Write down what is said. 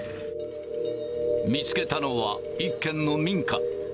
見つけたのは、一軒の民家。